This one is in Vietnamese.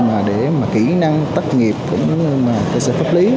mà để mà kỹ năng tác nghiệp cũng như là cơ sở pháp lý